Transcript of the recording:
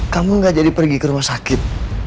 kamu gak jadi pergi ke rumah sakit